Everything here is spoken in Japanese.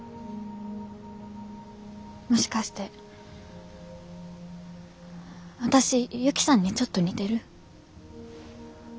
もしかして私ユキさんにちょっと似てる？